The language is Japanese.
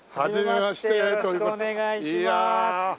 よろしくお願いします。